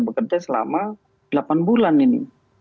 bekerja selama delapan bulan